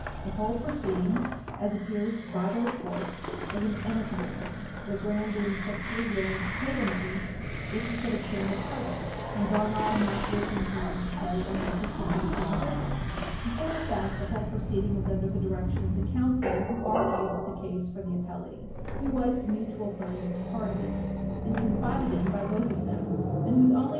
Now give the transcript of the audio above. The whole proceeding, as appears by the report, was an amicable one, Legrand being perfectly willing to pay the money, if he could obtain a title, and Darnall not wishing him to pay unless he could make him a good one. In point of fact, the whole proceeding was under the direction of the counsel who argued the case for the appellee, who was the mutual friend of the parties and confided in by both of them, and whose only Page 60 U. S.